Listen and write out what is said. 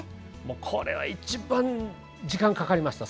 これは一番時間かかりました。